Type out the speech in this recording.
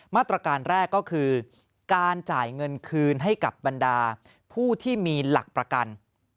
มาตรการแรกก็คือการจ่ายเงินคืนให้กับบรรดาผู้ที่มีหลักประกัน